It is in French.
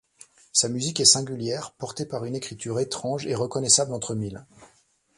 Sa musique est singulière, portée par une écriture étrange et reconnaissable entre mille.